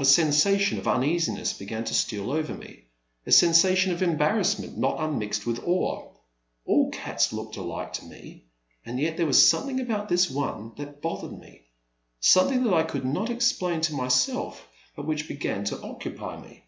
A sensation of uneasiness began to steal over me — a sensation of embarrassment not unmixed with awe. All cats looked alike to me, and yet there was something about this one that bothered me — something that I could not explain to myself, but which began to occupy me.